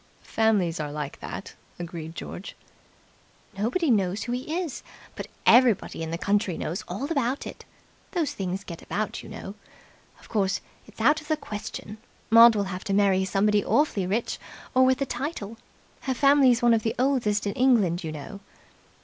"Families are like that," agreed George. "Nobody knows who he is, but everybody in the county knows all about it. Those things get about, you know. Of course, it's out of the question. Maud will have to marry somebody awfully rich or with a title. Her family's one of the oldest in England, you know."